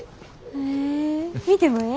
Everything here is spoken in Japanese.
へえ見てもええ？